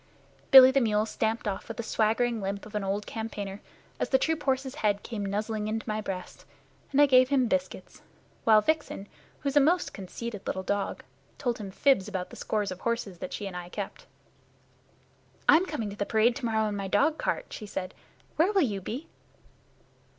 Billy the Mule stumped off with the swaggering limp of an old campaigner, as the troop horse's head came nuzzling into my breast, and I gave him biscuits, while Vixen, who is a most conceited little dog, told him fibs about the scores of horses that she and I kept. "I'm coming to the parade to morrow in my dog cart," she said. "Where will you be?"